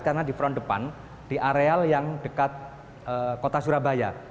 karena di front depan di areal yang dekat kota surabaya